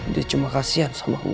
dia cuma kasihan sama gua